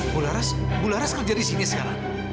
bularas bularas kok jadi sini sekarang